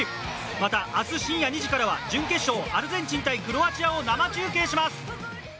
また、明日深夜２時からは準決勝アルゼンチン対クロアチアを生中継します。